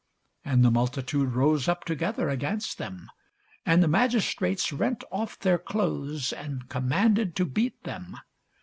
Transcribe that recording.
And the multitude rose up together against them: and the magistrates rent off their clothes, and commanded to beat them.